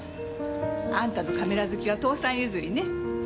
あんたのカメラ好きは父さん譲りね。